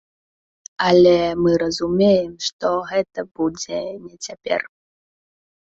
Але мы разумеем, што гэта будзе не цяпер.